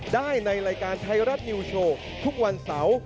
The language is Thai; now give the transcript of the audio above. ได้ในรายการไทยรัฐนิวโชว์ทุกวันเสาร์